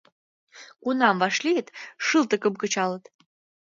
Кунам вашлийыт, шылтыкым кычалыт